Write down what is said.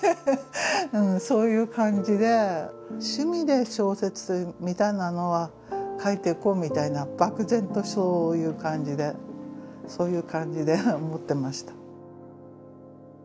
そういう感じで趣味で小説みたいなのは書いていこうみたいな漠然とそういう感じで思ってました。